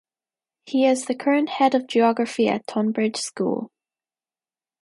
He is the current head of geography at Tonbridge School.